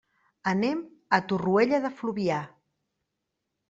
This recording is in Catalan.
Anem a Torroella de Fluvià.